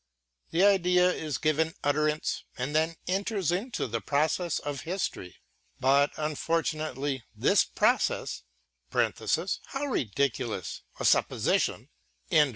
The idea is given utteranceŌĆöand then enters into the process of history. But unfortunately this process (how ridiculous a supposition!)